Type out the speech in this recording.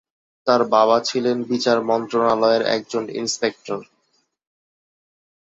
তার বাবা ছিলেন বিচার মন্ত্রণালয়ের একজন ইন্সপেক্টর।